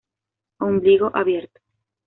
Ombligo abierto.